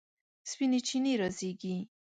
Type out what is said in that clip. سپینې چینې رازیږي